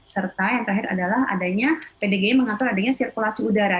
serta yang terakhir adalah pdg mengatur sirkulasi udara